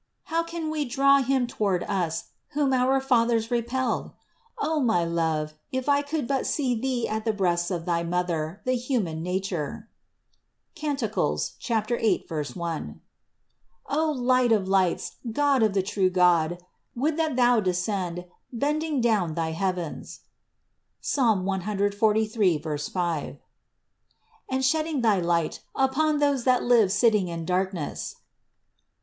How can we draw Him toward us, whom our fathers repelled? Oh my Love, if I could but see Thee at the breasts of thy Mother, the human nature! (Cant 8, 1). Oh Light of lights, God of the true God, would that Thou descend, bending down thy heavens (Ps. 143, 5) and shedding thy light upon those that live sitting in darkness